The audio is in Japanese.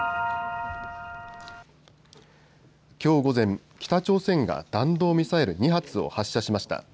きょう午前、北朝鮮が弾道ミサイル２発を発射しました。